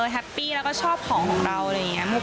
แฮปปี้แล้วก็ชอบของของเราอะไรอย่างนี้